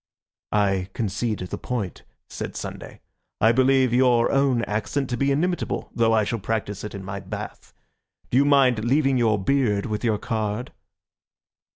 "I concede the point," said Sunday. "I believe your own accent to be inimitable, though I shall practise it in my bath. Do you mind leaving your beard with your card?"